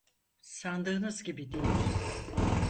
Sandığınız gibi değil.